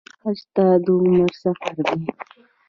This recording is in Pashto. حج د عمر سفر دی